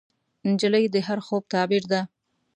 نجلۍ د هر خوب تعبیر ده.